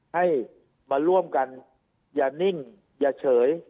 ให้มาร่วมกันอย่านิ่งอย่าเฉย